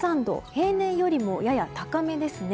平年よりもやや高めですね。